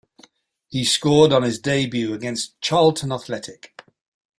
He scored on his debut against Charlton Athletic.